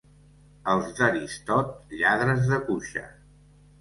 Els d'Aristot, lladres de cuixa.